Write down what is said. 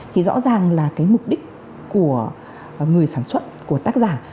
thì rõ ràng là cái mục đích của người sản xuất của tác giả